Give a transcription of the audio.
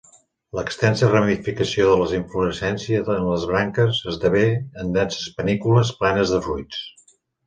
L'extensa ramificació de la inflorescència en les branques esdevé en denses panícules plenes de fruits.